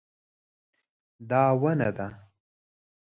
دا ونه ده